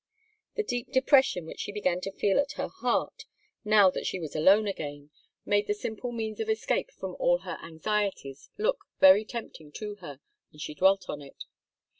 The deep depression which she began to feel at her heart, now that she was alone again, made the simple means of escape from all her anxieties look very tempting to her, and she dwelt on it.